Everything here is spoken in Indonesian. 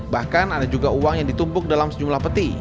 bahkan ada juga uang yang ditumpuk dalam sejumlah peti